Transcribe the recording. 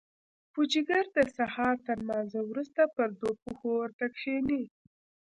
پوجيگر د سهار تر لمانځه وروسته پر دوو پښو ورته کښېني.